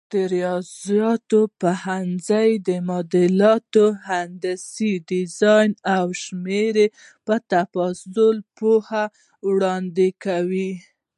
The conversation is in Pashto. د ریاضیاتو پوهنځی د معادلاتو، هندسي ډیزاین او شمېرو پر تفصیل پوهه وړاندې کوي.